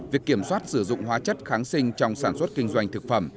việc kiểm soát sử dụng hóa chất kháng sinh trong sản xuất kinh doanh thực phẩm